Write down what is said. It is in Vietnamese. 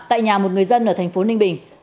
tại nhà một người dân ở thành phố ninh bình